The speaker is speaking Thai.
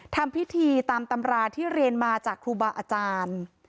ทำพิธีตามตำราที่เรียนมาจากครูบาอาจารย์